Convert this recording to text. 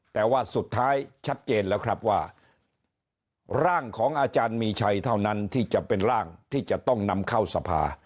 แต่ว่าสุดท้ายชัดเจนแล้วครับว่าร่างของอาจารย์มีชัยเท่านั้นที่จะเป็นร่างที่จะต้องนำเข้าสภา